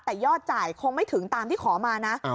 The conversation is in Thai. แต่ยอดจ่ายคงไม่ถึงตามที่ขอมานะ